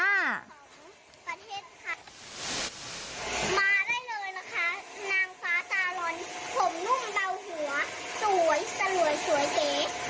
มาได้เลยนะคะนางฟ้าสาหร่อนผมนุ่มเบาหัวสวยสะหร่วยสวยเก๋